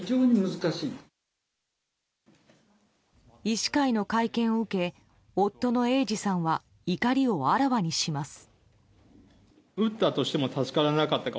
医師会の会見を受け夫の英治さんは怒りをあらわにします。